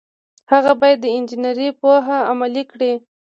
هغه باید د انجنیری پوهه عملي کړي.